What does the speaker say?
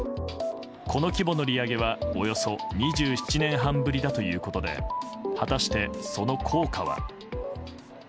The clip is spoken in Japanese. この規模の利上げはおよそ２７年半ぶりだということで果たして、その効果は。